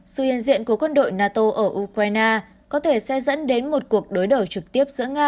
sự hiện diện của quân đội nato ở ukraine có thể sẽ dẫn đến một cuộc đối đầu trực tiếp giữa nga